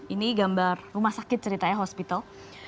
ini gambar rumah sakit ceritanya hospital